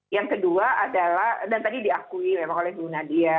yang kedua adalah dan tadi diakui memang oleh bu nadia